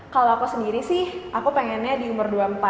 kalo aku sendiri sih aku pengennya diumur dua puluh empat